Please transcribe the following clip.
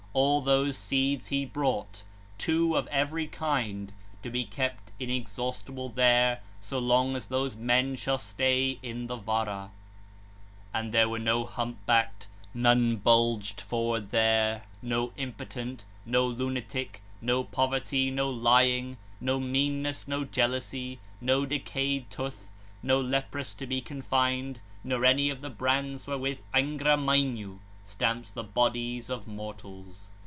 All those seeds he brought, two of every kind, to be kept inexhaustible there, so long as those men shall stay in the Vara. 37 (116) And there were no humpbacked, none bulged forward there; no impotent, no lunatic; no poverty, no lying; no meanness, no jealousy; no decayed tooth, no leprous to be confined, nor any of the brands wherewith Angra Mainyu stamps the bodies of mortals.